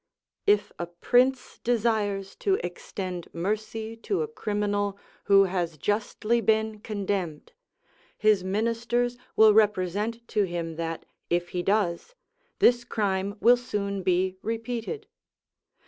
If a prince desires to extend mercy to a criminal who has justly been condemned, his Ministers will represent to him that, if he does, this crime will soon be repeated.